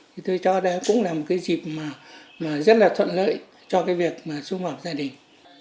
thì tôi cho đấy cũng là một cái dịp mà rất là thuận lợi cho cái việc mà xung họp gia đình